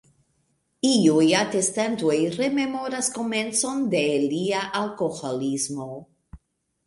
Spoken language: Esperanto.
Iuj atestantoj rememoras komencon de lia alkoholismo.